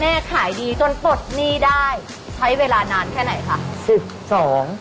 ขายดีจนปลดหนี้ได้ใช้เวลานานแค่ไหนคะสิบสอง